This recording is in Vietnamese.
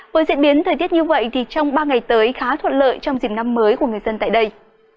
với diễn biến thời tiết như vậy thì trong ba ngày tới khá thuận lợi trong dịp năm mới của người dân tại đây